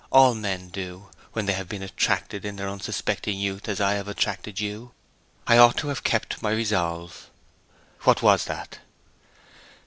All men do, when they have been attracted in their unsuspecting youth, as I have attracted you. I ought to have kept my resolve.' 'What was that?'